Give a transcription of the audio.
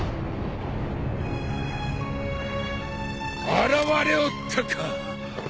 現れおったか。